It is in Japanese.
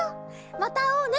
またあおうね。